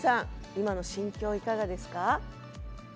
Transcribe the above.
今の心境は、いかがですか。